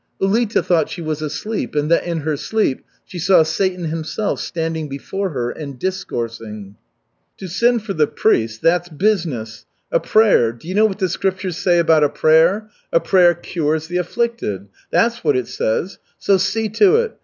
Ulita thought she was asleep and that in her sleep she saw Satan himself standing before her and discoursing. "To send for the priest that's business! A prayer do you know what the Scriptures say about a prayer? 'A prayer cures the afflicted.' That's what it says. So see to it.